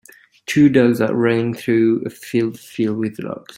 Two dogs are running through a field filled with logs.